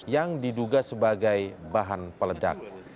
yang diduga sebagai bahan peledak